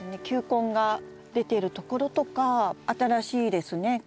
球根が出ているところとか新しいですね